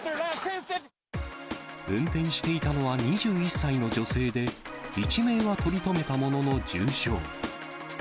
運転していたのは２１歳の女性で、一命は取り留めたものの、重傷。